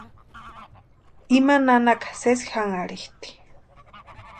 Ima nanaka sési janharhitʼi.